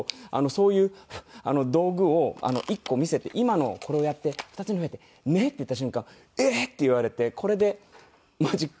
そういう道具を１個見せて今のこれをやって２つに増えて「ねっ」って言った瞬間「ええー！」って言われてこれでマジックをしようと思って。